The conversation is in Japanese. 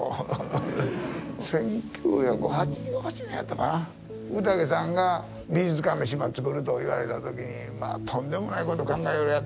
１９８８年やったかな福武さんが美術館の島つくると言われた時にまあとんでもないこと考えるやつやなと。